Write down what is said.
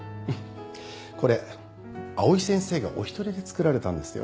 これ藍井先生がお一人で作られたんですよ。